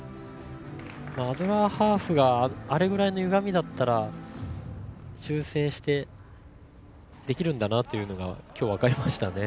アドラーハーフがあれくらいのゆがみだったら修正できるんだなというのが今日、分かりましたね。